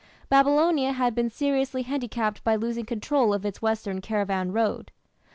Babylonia had been seriously handicapped by losing control of its western caravan road.